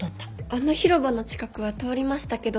あの広場の近くは通りましたけど６時半頃です。